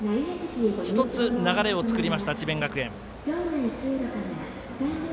１つ流れを作りました、智弁学園。